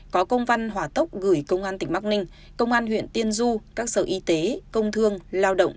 có công văn hỏa tốc gửi công an tỉnh bắc ninh công an huyện tiên du các sở y tế công thương lao động